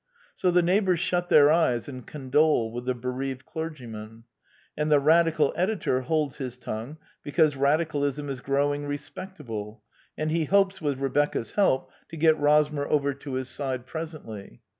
So the neighbors shut their eyes and condole with the bereaved clergyman; and the Radical editor holds his tongue because Radicalism is growing respectable, and he hopes, with Rebecca's help, to get Rosmer over to his side presently.